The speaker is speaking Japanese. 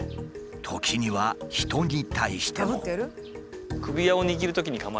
時には人に対しても。